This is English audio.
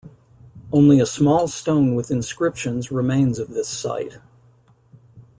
Only a small stone with inscriptions remains of this site.